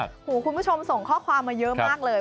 คุณผู้ชมส่งข้อความมาเยอะมากเลย